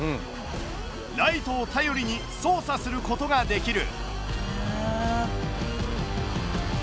ライトを頼りに操作することができる。